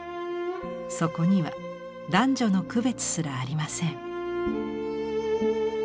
そこには男女の区別すらありません。